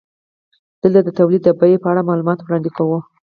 دلته د تولید د بیې په اړه معلومات وړاندې کوو